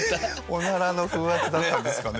オナラの風圧だったんですかね。